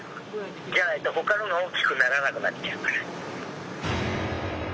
じゃないとほかのが大きくならなくなっちゃうから。